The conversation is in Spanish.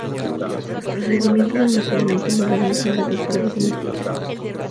Los procedimientos de almacenamiento modernos han reducido los problemas con este insecto.